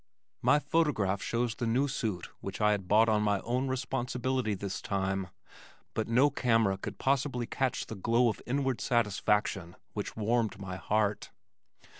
My photograph shows the new suit which I had bought on my own responsibility this time, but no camera could possibly catch the glow of inward satisfaction which warmed my heart.